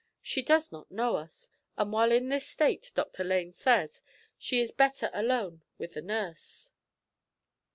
She does not know us, and while in this state, Dr. Lane says, she is better alone with the nurse.'